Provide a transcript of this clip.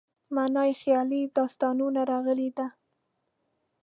معنا یې خیالي داستانونه راغلې ده.